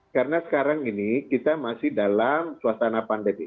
karena sekarang ini kita masih dalam suasana pandemi